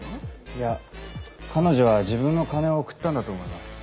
いや彼女は自分の金を送ったんだと思います。